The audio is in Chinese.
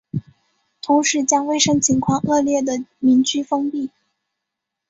同时将卫生情况恶劣的民居封闭。